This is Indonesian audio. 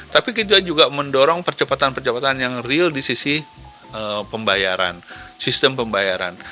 tapi kita juga mendorong percepatan percepatan yang real di sisi pembayaran sistem pembayaran